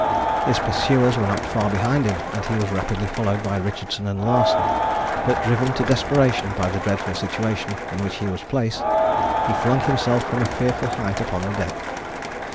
His pursuers were not far behind him, and he was rapidly followed by Richardson and Larson; but, driven to desperation by the dreadful situation in which he was placed, he flung himself from a fearful height upon the deck.